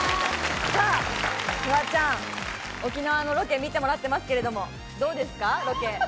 フワちゃん、沖縄のロケ見てもらってますけれども、どうですか？